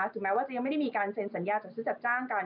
ถึงแม้ว่าจะยังไม่ได้มีการเซ็นสัญญาจัดซื้อจัดจ้างกัน